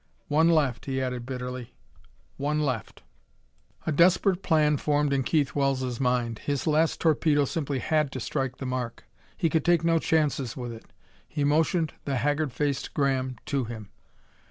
"One left!" he added bitterly. "One left!" A desperate plan formed in Keith Wells' mind. His last torpedo simply had to strike the mark; he could take no chances with it. He motioned the haggard faced Graham to him.